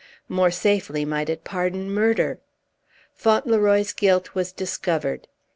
More safely might it pardon murder. Fauntleroy's guilt was discovered.